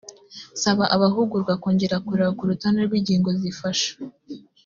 saba abahugurwa kongera kureba ku rutonde rw’ingingo zifasha